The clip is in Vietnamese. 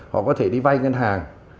họ có thể đi vay ngân hàng